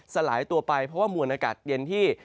สลายตัวไปเพราะว่ามวลอากาศเย็นที่